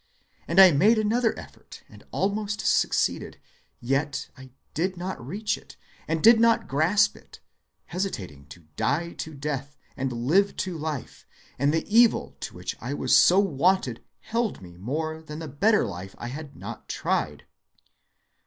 And I made another effort, and almost succeeded, yet I did not reach it, and did not grasp it, hesitating to die to death, and live to life; and the evil to which I was so wonted held me more than the better life I had not tried."